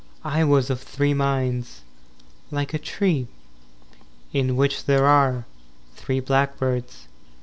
II I was of three minds Like a tree In which there are three blackbirds.